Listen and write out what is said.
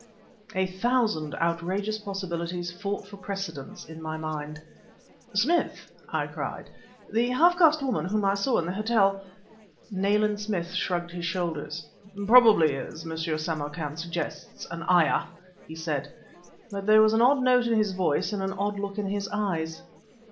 A thousand outrageous possibilities fought for precedence in my mind. "Smith!" I cried, "the half caste woman whom I saw in the hotel ..." Nayland Smith shrugged his shoulders. "Probably, as M. Samarkan suggests, an ayah!" he said; but there was an odd note in his voice and an odd look in his eyes.